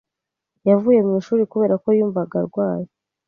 Yavuye mu ishuri kubera ko yumvaga arwaye.